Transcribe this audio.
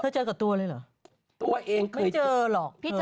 เธอเจอกับตัวเลยเหรอ